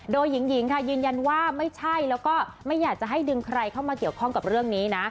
โดยหญิงค่ะยืนยันว่าไม่ใช่แล้วก็ไม่อยากจะให้ดึงใครเข้ามาเกี่ยวข้องกับเรื่องนี้นะ